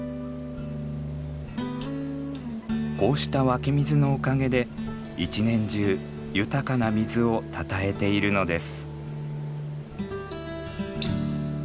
こうした湧き水のおかげで一年中豊かな水をたたえているのです。